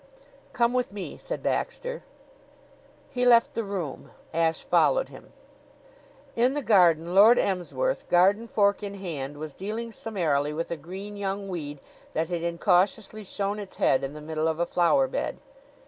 "Come with me," said Baxter. He left the room. Ashe followed him. In the garden Lord Emsworth, garden fork in hand, was dealing summarily with a green young weed that had incautiously shown its head in the middle of a flower bed.